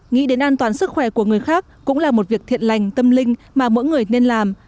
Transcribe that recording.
nghĩ đến an toàn sức khỏe của người khác cũng là một việc thiện lành tâm linh mà mỗi người nên làm